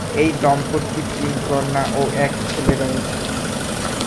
এই দম্পতির তিন কন্যা ও এক ছেলে রয়েছে।